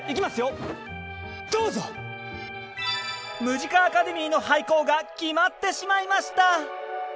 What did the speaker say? ムジカ・アカデミーの廃校が決まってしまいました！